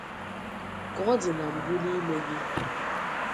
Ka ọ dị na mbụ n’ime gị